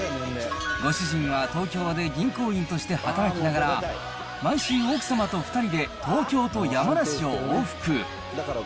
ご主人は東京で銀行員として働きながら、毎週、奥様と２人で東京と山梨を往復。